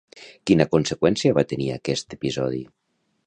Quina conseqüència va tenir aquest episodi?